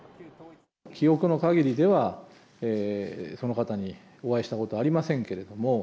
記憶のかぎりでは、その方にお会いしたことありませんけれども。